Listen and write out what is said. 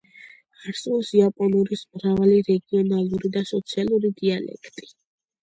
არსებობს იაპონურის მრავალი რეგიონალური და სოციალური დიალექტი.